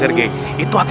belajar dari akar